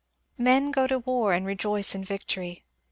Men go to war and rejoice in victory.